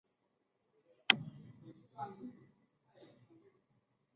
隆线强蟹为长脚蟹科强蟹属的动物。